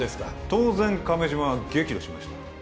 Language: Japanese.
当然亀島は激怒しました